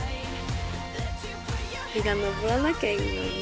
日が昇らなきゃいいのにな。